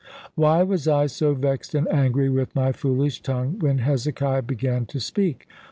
Why was I so vexed and angry with my foolish tongue when Hezekiah began to speak?